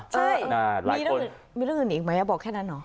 ใช่มีเรื่องอื่นอีกไหมบอกแค่นั้นเหรอ